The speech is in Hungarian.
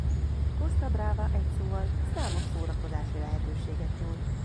Costa Brava egyszóval számos szórakozási lehetőséget nyújt.